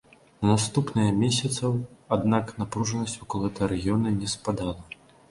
На наступныя месяцаў, аднак, напружанасць вакол гэтага рэгіёна не спадала.